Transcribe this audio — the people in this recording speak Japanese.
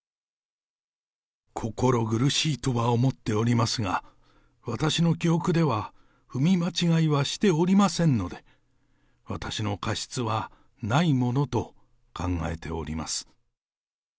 心苦しいとは思っておりますが、私の記憶では、踏み間違いはしておりませんので、私の過失はないものと考えております。